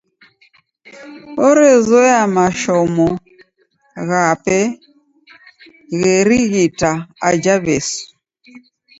Orezoya mashomo ghape gherighita aja W'esu.